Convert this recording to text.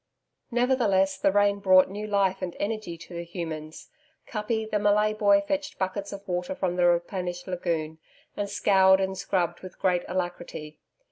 Nevertheless, the rain brought new life and energy to the humans. Kuppi, the Malay boy fetched buckets of water from the replenished lagoon, and scoured and scrubbed with great alacrity.